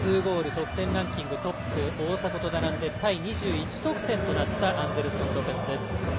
得点ランキングトップ大迫と並んでタイ２１得点となったアンデルソン・ロペス。